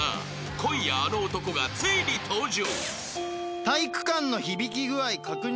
今夜あの男がついに登場］